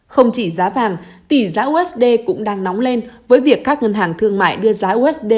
không chỉ giá vàng tỷ giá usd cũng đang nóng lên với việc các ngân hàng thương mại đưa giá usd